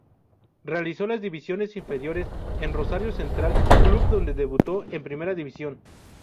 Realizó las divisiones inferiores en Rosario Central, club donde debutó en Primera División.